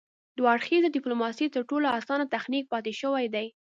دوه اړخیزه ډیپلوماسي تر ټولو اسانه تخنیک پاتې شوی دی